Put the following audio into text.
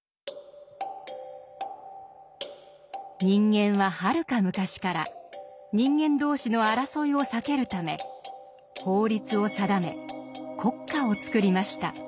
人間ははるか昔から人間同士の争いを避けるため法律を定め国家を作りました。